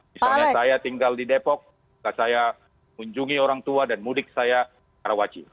misalnya saya tinggal di depok saya kunjungi orang tua dan mudik saya karawaci